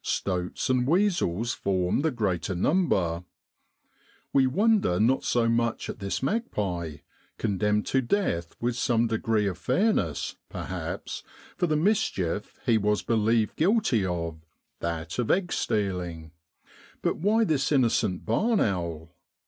Stoats and weasels form the greater number. We wonder not so much at this magpie condemned to death with some degree of fairness, perhaps, for the mis chief he was believed guilty of that of egg stealing but why this innocent barn owl